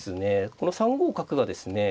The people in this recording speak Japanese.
この３五角がですね